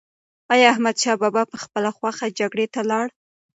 ایا احمدشاه بابا په خپله خوښه جګړې ته لاړ؟